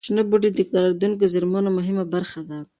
شنه بوټي د تکرارېدونکو زېرمونو مهمه برخه ده.